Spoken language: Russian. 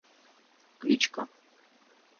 Кличка